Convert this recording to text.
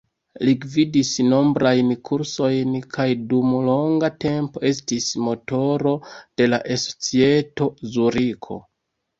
Li gvidis nombrajn kursojn kaj dum longa tempo estis motoro de la E-Societo Zuriko.